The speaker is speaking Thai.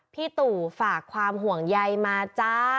พี่ตู่ฝากความห่วงใยมาจ้า